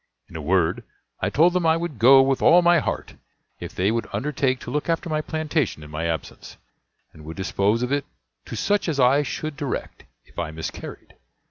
In a word, I told them I would go with all my heart, if they would undertake to look after my plantation in my absence, and would dispose of it to such as I should direct, if I miscarried.